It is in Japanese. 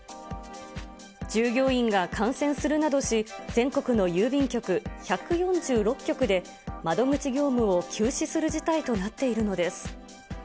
従業員が感染するなどし、全国の郵便局１４６局で、窓口業務を休止する事態となっているのです。